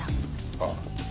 ああ。